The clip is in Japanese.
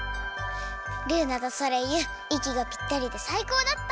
ルーナとソレイユいきがぴったりでさいこうだった！